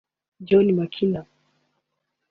Joh Makini